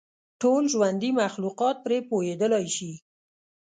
ټول ژوندي مخلوقات پرې پوهېدلای شي.